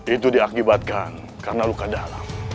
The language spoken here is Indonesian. itu diakibatkan karena luka dalam